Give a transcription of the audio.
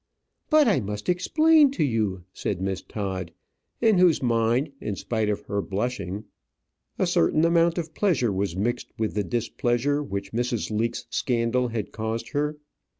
"But I must explain to you," said Miss Todd, in whose mind, in spite of her blushing, a certain amount of pleasure was mixed with the displeasure which Mrs. Leake's scandal had caused her.